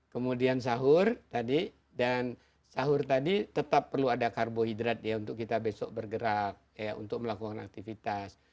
kemudian sahur tadi dan sahur tadi tetap perlu ada karbohidrat ya untuk kita besok bergerak ya untuk melakukan aktivitas